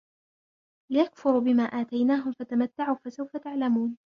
لِيَكْفُرُوا بِمَا آتَيْنَاهُمْ فَتَمَتَّعُوا فَسَوْفَ تَعْلَمُونَ